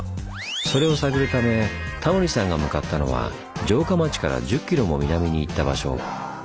それを探るためタモリさんが向かったのは城下町から１０ｋｍも南に行った場所。